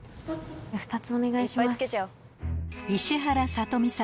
２つお願いします。